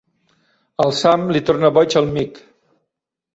Al Sam li torna boig el Mick.